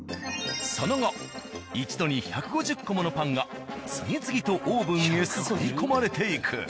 その後一度に１５０個ものパンが次々とオーブンへ吸い込まれていく。